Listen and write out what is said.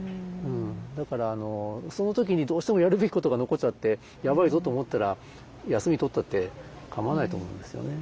だからその時にどうしてもやるべきことが残っちゃってやばいぞと思ったら休み取ったって構わないと思うんですよね。